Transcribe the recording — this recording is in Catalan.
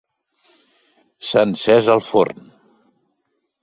S'ha encès el forn.